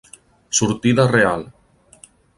Sortida real: